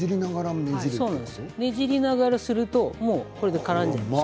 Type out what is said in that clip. ねじりながらするとこれで絡んじゃいます。